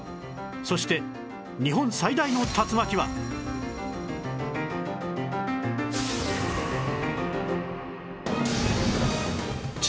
そして日本最大の竜巻は？えっ！？